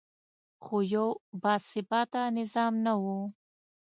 خو یو باثباته نظام نه و